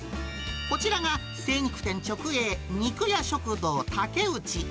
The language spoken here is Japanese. こちらが精肉店直営、肉屋食堂たけうち。